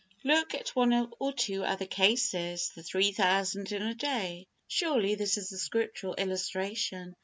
Look at one or two other cases the three thousand in a day. Surely this is a scriptural illustration.